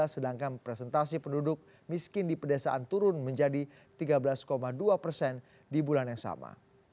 sedangkan presentasi penduduk miskin di pedesaan turun menjadi tiga belas dua persen di bulan yang sama